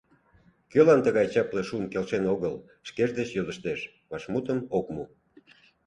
Кӧлан тыгай чапле шун келшен огыл? — шкеж деч йодыштеш, вашмутым ок му.